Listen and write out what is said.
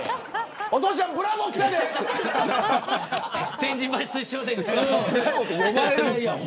お父ちゃんブラボー来たでって。